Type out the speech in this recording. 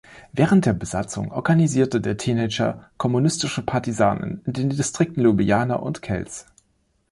Während der Besatzung organisierte der Teenager kommunistische Partisanen in den Distrikten Ljubljana und Kelts.